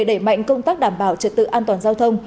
đẩy mạnh công tác đảm bảo trật tự an toàn giao thông